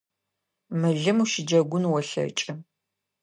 Мылым ущыджэгун олъэкӏы.